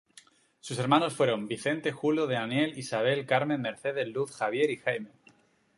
Sus hermanos fueron: Vicente, Julio, Daniel, Isabel, Carmen, Mercedes, Luz, Javier y Jaime.